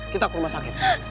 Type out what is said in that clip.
kita ke rumah sakit